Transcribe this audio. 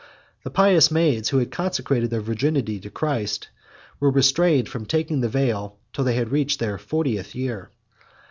The pious maids, who consecrated their virginity to Christ, were restrained from taking the veil till they had reached their fortieth year.